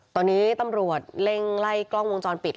ตอนนี้ตำรวจเร่งไล่กล้องวงจรปิด